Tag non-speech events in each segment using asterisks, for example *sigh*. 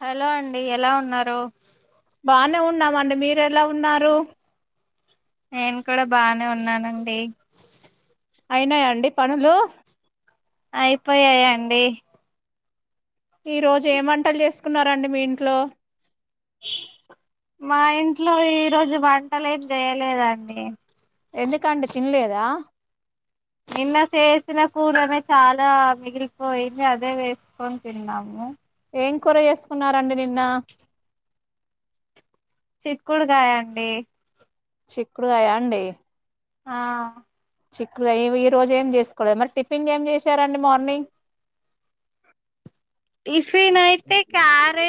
Hello అండి ఎలా ఉన్నారు బానే ఉన్నామండి మీరు ఎలా ఉన్నారు నేను కూడా బానే ఉన్నానండి అయినాయాండి పనులు అయిపోయాయి అండి ఈ రోజు ఎం వంటలు చేసుకున్నారండి మీ ఇంట్లో మా ఇంట్లో ఈరోజు వంటలు ఏం చేయలేదండి ఎందుకండి తిన్లేదా నిన్న చేసిన కూరనే చాలా మిగిలిపోయింది అదే వేసుకొని తిన్నాము ఏం కూర చేసుకున్నారండి నిన్న చిక్కుడుకాయండి చిక్కుడుగాయండి ఆ చిక్కుడగయా ఎం ఈ రోజు ఏం చేసుకోలేద మరి టిఫిన్ ఏం చేశారండి మార్నింగ్ టిఫిన్ అయితే క్యారె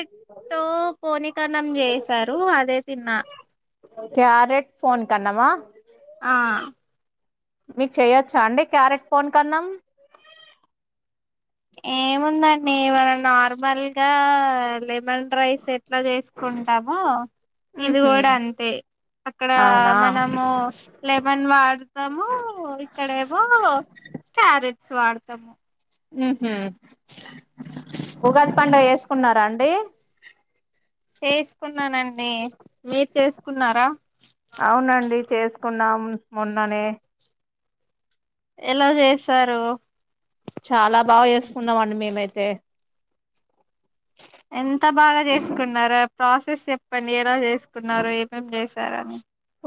తో పోనీకణం చేసారు అదే తిన్నా క్యారెట్ పోనీ కన్నామా ఆ మీకు చెయొచ్చా అండి క్యారెట్ పోన్ కన్నాం ఏముందండి ఇవాళ నార్మల్ గా ఆ లెమన్ రైస్ ఎట్లా చేసుకుంటామో ఇది ఉహు గుడా అంతే అక్కడ అవునా మనము లెమన్ వాడతాము ఇక్కడేమో క్యారెట్స్ వాడతమ్ ఉహ్మ్ ఉగాది పండగా చేసుకున్నారా అండి చేసుకున్నానండి మీరు చేసుకున్నారా కొన్నాం మొన్ననే ఎలా చేసారు చాలా బాగా చేసుకున్నామండి మేమైతే ఎంత బాగా చేసుకున్నారా ప్రాసెస్ చెప్పండి ఎలా చేసుకున్నారు ఏమేం చేశారని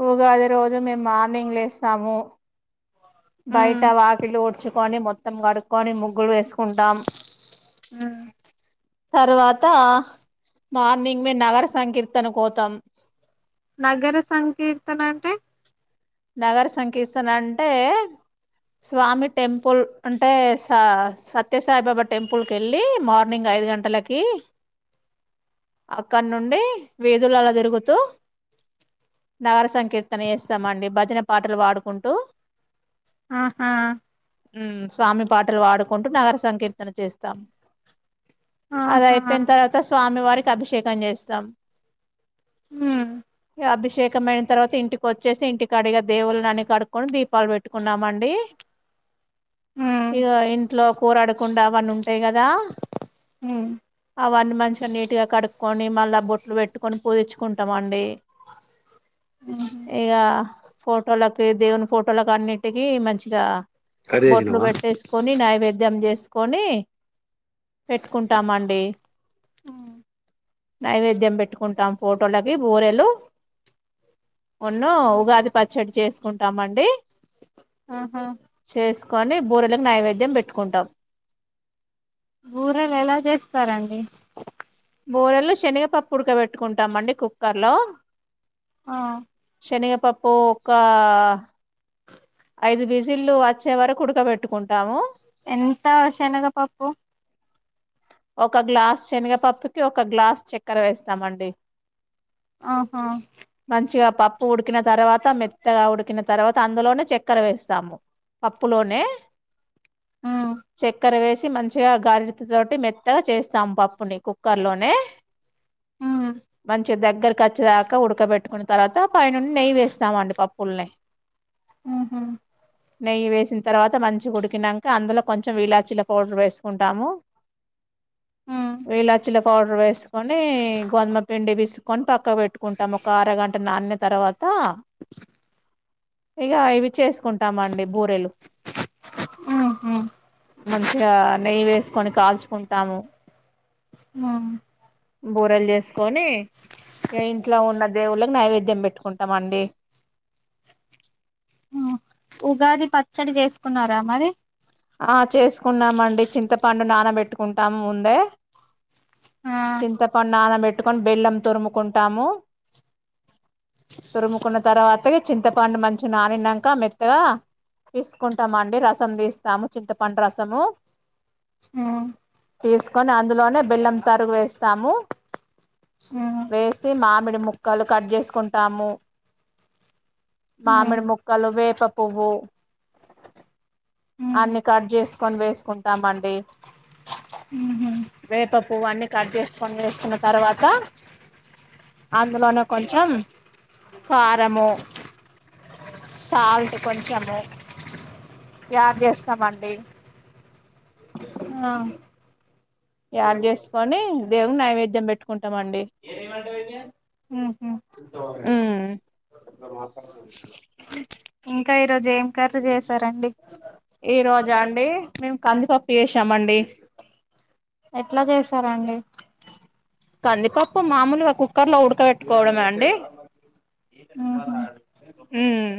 ఉగాది రోజు మేము మార్నింగ్ లేసాము బయట ఉమ్, వాకిలి ఉడ్చుకోని మొ త్తం గడుక్కొని ముగ్గులు వేసుకుంటాం ఉమ్. తర్వాత మార్నింగ్ మేమ్ నగర సంకీర్తనకోతం నగర సంకీర్తన అంటే నగర సంకీస్తన అంటే స్వామి టెంపుల్ అంటే స సత్ త్యసాయిబాబా టెంపుల్క్కేళ్ళి మార్నింగ్ ఐదు గంటలకి అక్కడి నుండి వీధులల్ల తిరుగుతూ నగర సంకీర్తన చేస్తామండి భజన పాటలు పాడుకుంటూ ఆహా ఉమ్ స్వామి పాటలు పాడుకుంటు నగర సంకీర్తన చేస్తాం ఆహా అదయిపోయిన తర్వాత స్వామి వారికి అభిషేకం చేస్తాం ఉహ్మ్ అభిషేకమైన తర్వాత ఇంటికొచ్చేసి ఇంటి క్కడిగా దేవుళ అన్ని కడుక్కొని దీపాలు పెట్టుకున్నామండి ఇగ ఇంట్లో కూరడకుండా అవన్నీ ఉంటయి గదా అవన్నీ మంచిగా నీట్గా కడుక్కొని మళ్ళా బొట్లు పెట్టుకొని పూదిచ్చుకుంటమండి ఇగా ఫోటోలకి దేవుని ఫోటోలకు అన్నిటికి మంచిగా కట్ బొట్లు చేసినవా పెట్టేసుకొని నైవేద్యం చేసు కొని పెట్టుకుంటామండి నైవేద్యం పెట్టుకుంటాం ఫోటోలకి బూరెలు ఉన్ను ఉగాది పచ్చడి చేసుకుంటామండి ఆహా కొని బూరెలకు నైవేద్యం పెట్టుకుంటాం బూరెలు ఎలా చేస్తారండి బూరెలు శనగపప్పు ఉుడకబెట్టుకుంటామండి కుక్కర్లో ఆ శనగపప్పు ఒకా ఐదు విజిల్లు అచ్చే వరకు ఉడకబెట్టుకుంటాము ఎంత అ శనగపప్పు ఒక గ్లాస్ శనగపప్పుకి ఒక గ్లాస్ చెక్కెర వేస్తామండి ఆహా మంచిగా పప్పు ఉడికిన తర్వాత మెత్తగా ఉడికిన తర్వాత అందులోనే చెక్కెర వేస్తాము పప్పులోనే ఉమ్ చెక్కెర వేసి మంచిగా గారిటత తోటి మెత్తగా చేస్తాం పప్పుని కు క్కర్ లోనే ఉమ్ మంచిగ దగ్గరకిచ్చె దాకా ఉడకబెట్టుకున్న తర్వాత పై నుండి నెయ్య వేస్తామండి పప్పుల్నే ఉహు నెయ్యి వేసిన తర్వాత మంచిగ ఉడికినంక అందులో కొంచెం వీలాచిల పౌడర్ వేసుకుంటాము ఉమ్ విలాచిల పౌడర్ వేసుకొనీ గోధమ పిండి పిస్సుక్కొని ప క్క పెట్టుకుంటాం ఒక అరగంట నానినా తర్వాత ఇగ ఇవి చేసుకుంటామండి బూరెలు ఆహ్ హా మంచిగా నెయ్యి వేసుకొని కాల్చుకుంటాము మా బూరెలు చేసుకొని ఇగ ఇంట్లో ఉన్న దేవుళ్ళకి నైవేద్యం పెట్టుకుంటమండి ఉ ఉగాది పచ్చడి చేసుకున్నారా మరి ఆ చేసుకున్నామండి చింతపండు నానబెట్టుకుంటాము ముందే ఆ చింతపండు నానబెట్టుకొని బెల్లం తురుముకుంటాము తురుముకున్న తర్వాత ఇగ చింతపండు మంచిగా నానినంక మెత్తగా తీసుకుంటామండి రసం తీస్తాము చింతపండు రసము ఉమ్ తీసుకొని అందులోనే బెల్లం తరుగు వేస్తాము ఉమ్ వేసి మామిడి ముక్కలు కట్ చేసుకుంటాము ఉమ్ మామిడి ముక్కలు వేప పువ్వు ఉమ్ అన్ని కట్ చేసుకొని వేసుకుంటామండి ఉహు వేప పువు అన్ని కట్ చేసుకొని వేసుకున్న తర్వాత అందులోన కొంచెం కారము సాల్ట్ కొంచెము యాడ్ చేస్తమండి బ్లాంక్ ఆ యాడ్ చేసుకొని దేవుని నైవేద్యం పెట్టుకుంటమండి ఉహు ఉమ్ ఇంకా ఈరోజు ఏం కర్రి చేసారండి ఈ రోజా అండి మేము కందిపప్పు చేసామండి ఎట్ల చేసారండి కందిపప్పు మామూలుగ కుక్కర్ లో ఉడకవెట్టుకోవడమే అండి ఉహు ఉమ్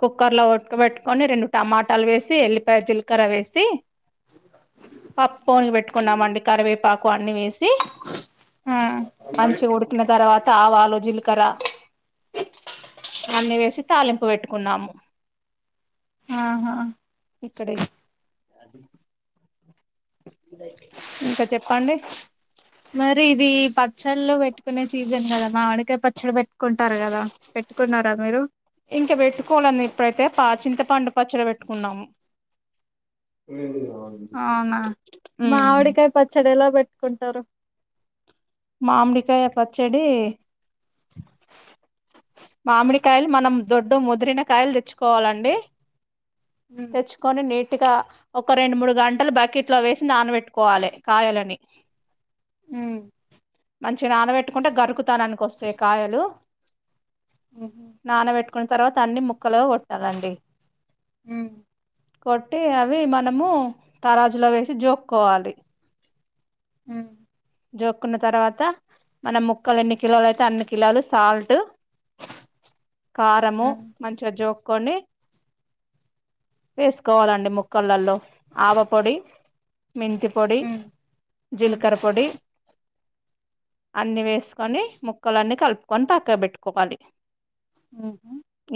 కుక్కర్ లో ఉడకబెట్టుకొని రెండు టమాటాలు వేసి ఎల్లిపాయ జీలకర్ర వేసి పక్కపోనీ పెట్టుకున్నామండి కరివేపాకు అన్ని వేసి మంచిగ ఉడికిన తర్వాత ఆవాలు జీలకర అన్ని వేసి తాలింపు పెట్టుకున్నాము ఆహా ఇక్కడె ఇంక చెప్పండి మరి ఇది పచ్చళ్లు పెట్టుకునే సీజన్ కదా మామిడికాయ పచ్చడ పెట్టు ఇంకా పెట్టుకొలంది ఇప్పుడైతే పాచింత పండు పచ్చడ పెట్టుకున్నాము అవునా ఉమ్ మావిడికాయ పచ్చడ ఎలా పెట్టుకుంటరు మామిడికాయ పచ్చడీ మామిడి కాయలు మనం దొడ్డు ముదిరిన కాయలు తెచ్చుకోవాలండి తెచ్చుకొని నీట్ గట్టిగా ఒక రెండు మూడు గంటలు బకెట్ లో వేసి నానబెట్టుకోవాలి కాయలని ఉమ్ మంచి నానబెట్టుకుంటే గరుకుతనానికి వస్తాయి కాయలు నానబెట్టు కున్న తర్వాత అన్ని ముక్కలుగ కొట్టాలండి కొట్టి అవి మనము తరాజులో వేసి జోక్కోవాలి హుమ్ జోక్కున్న తర్వాత మన ముక్కలు ఎన్ని కిలోలు అయితే అన్ని కిలోలు సాల్ట్ కారము మంచిగ జోక్కొని వేసుకోవాలండి ముక్కలల్లో ఆవపొడి మెంతి పొడి, జీలకర పొడి అన్ని వేసుకొని ముక్కలన్నీ కలుపుకొని పక్కకు పెట్టుకోవాలి.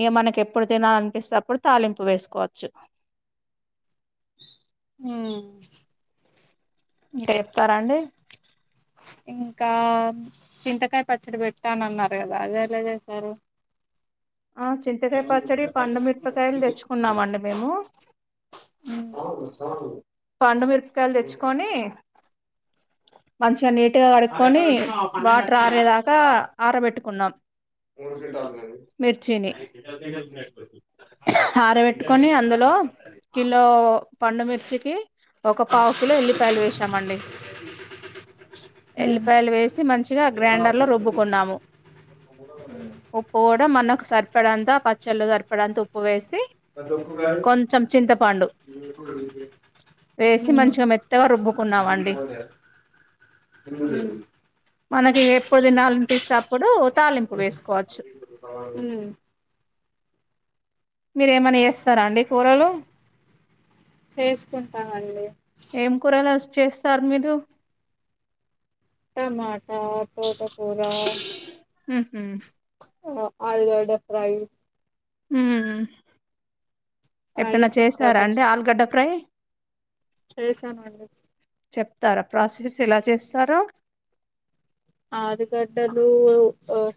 ఇగ మనకెప్పు. ఎప్పుడు తినాలనిపిస్తే అప్పుడు తాలింపు వేసుకోవచ్చు. ఉమ్. టెంపర అండీ ఇంకా చింతకాయ పచ్చడి పెట్టాను అన్నారు కదా అదే ఎలా చేసారు చింతకాయ పచ్చడి పండి మిర్పాకాయలు తెచ్చుకున్నామ అండి మేము పండూమీర కాయలు తెచ్చుకొని మంచిగా నీట్. కడుకొని వాటర్ ఆరేదాకా అరబెట్టుకుంనాము. మిర్చీని. ఆరా బెట్టుకొని అందులో కిలో పండుమిర్చి కి. ఒక పావు కిలో ఎల్లిపాయలు వేసామండి. ఎల్లిపాయలు వేసి మంచిగా గ్రైండర్ లో రుబ్బుకున్నాము. ఉప్పు కూడా మనకు సరిపడంతా పచ్చడిలో సరిపడంతా ఉప్పు వేసి. కొంచెం చింతపండు. వేసి మంచిగా మెత్తగా రుబ్బుకున్నామండి. మనకి ఎప్పుడు తినాలియనిపిస్తే అప్పుడు తాలింపు వేసుకోవచ్చు. ఉమ్. మీరు ఏమైనా చేస్తారా అండి కూరలు. చేసుకుంటామండి ఏం కూరలు *unintelligible* చేస్తారు మీరు. టమాటా తోటకూర. ఉహు ఆ ఆలాగడ్డ ఫ్రై. ఉమ్ ఎపుడైనా రైస్ ఎక్కువ చేశారా అండి చేస్త ఆలాగడ్డ ఫ్రై. చేసానండి. చెప్తారా ప్రాసెస్ ఎలా చేస్తారో. ఆలుగడ్డలు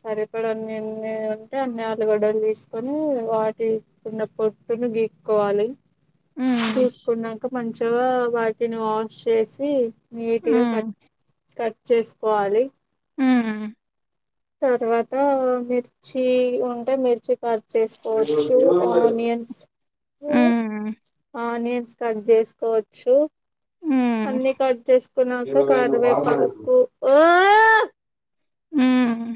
సరిపడా అన్నాన్ని ఉంటే అన్ని ఆలుగడ్డలు తీసుకొని. ఉమ్ వాటిని ఉన్న పొట్టును గిక్కోవాలి. సో ఉమ్ గీకున్నాంక మంచిగా వాటిని వాష్ చేసి. నీట్ గా ఉమ్ కట్ కట్ చేసుకోవాలి. ఉమ్. తర్వాత మిర్చి ఉంటే మిర్చి. కట్ చేసుకోవచ్చు ఆనియన్స్ ఉమ్ ఆనియన్. కట్ చేసుకోవచ్చు. ఉమ్ అన్ని కట్ చేసుకున్నాక కారవేపాకు. ఉమ్